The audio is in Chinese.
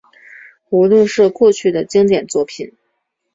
无论是过去的经典作品